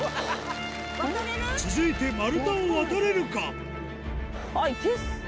続いて丸太を渡れるか？